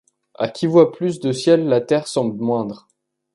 A qui voit plus de ciel la terre semble moindre ;